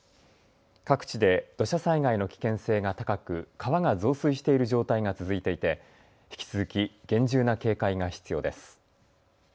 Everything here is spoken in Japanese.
各地で土砂災害の危険性が高く川が増水している状態が続いていて引き続き厳重な警戒が必要です。